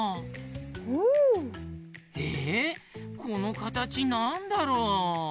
このかたちなんだろう？